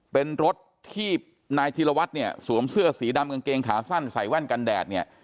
เป็นรถที่นายธิรวัตรเนี่ยสวมเสื้อสีดำกางเกงขาสั้นใส่แว่นกันแดดเนี่ย